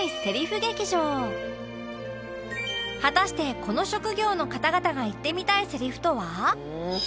果たしてこの職業の方々が言ってみたいセリフとは？